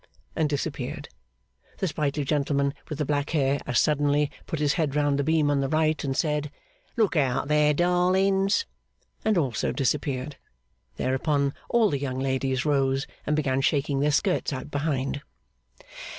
and disappeared. The sprightly gentleman with the black hair as suddenly put his head round the beam on the right, and said, 'Look out there, darlings!' and also disappeared. Thereupon all the young ladies rose and began shaking their skirts out behind.